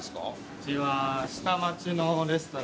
うちは。